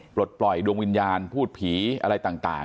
ปลดปล่อยดวงวิญญาณพูดผีอะไรต่าง